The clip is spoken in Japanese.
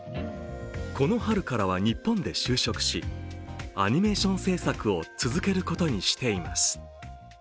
この春からは日本で就職しアニメーション制作を続けることにしています。